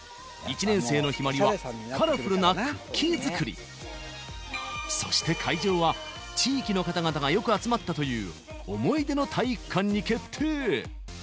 １年生のひまりはカラフルなクッキー作りそして会場は地域の方々がよく集まったという思い出の体育館に決定